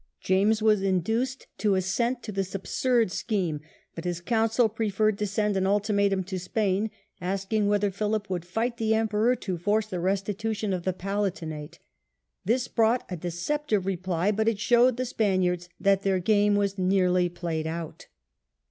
James was induced to assent to this absurd scheme; but his council preferred to send an ultimatum to Spain asking whether Philip would fight the emperor to force the restitution of the Palatinate. This brought a deceptive reply, but it showed the Spaniards that their game was nearly played out.